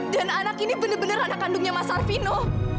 dan anak ini bener bener anak kandungnya mas arvino